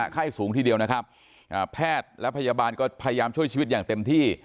ไข้สูงทีเดียวนะครับแพทย์และพยาบาลก็พยายามช่วยชีวิตอย่างเต็มที่